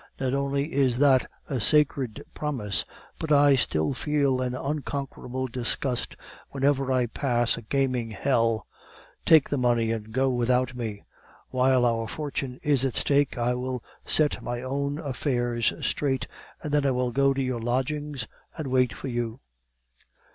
Not only is that a sacred promise, but I still feel an unconquerable disgust whenever I pass a gambling hell; take the money and go without me. While our fortune is at stake, I will set my own affairs straight, and then I will go to your lodgings and wait for you.